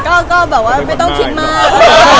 ก็จะทำไมแน่นะไม่ต้องคิดมาก